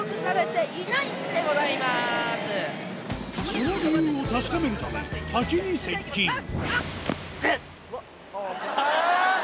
その理由を確かめるため滝に接近あっ！